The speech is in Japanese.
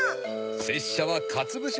せっしゃはかつぶし